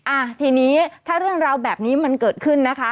อ่าทีนี้ถ้าเรื่องราวแบบนี้มันเกิดขึ้นนะคะ